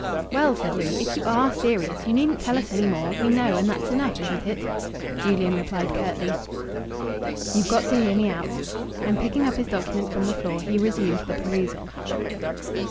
"Well," said Louis, "if you are serious, you needn't tell us any more. We know, and that's enough, isn't it?" Julian replied curtly, "You've got to hear me out." And picking up his document from the floor, he resumed the perusal.